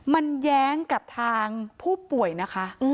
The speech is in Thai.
มันแย้งกับทางผู้ป่วยนะคะ